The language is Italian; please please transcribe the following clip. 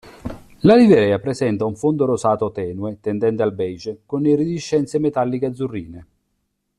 La livrea presenta un fondo rosato tenue, tendente al beige, con iridescenze metalliche azzurrine.